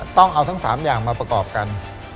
ต้องเอาทั้ง๓อย่างมาประกอบกัน